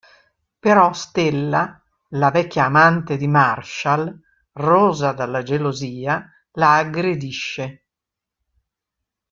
Però Stella, la vecchia amante di Marshall, rosa dalla gelosia, la aggredisce.